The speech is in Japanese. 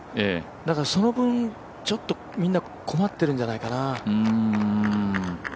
だからその分、ちょっとみんな困っているんじゃないかな。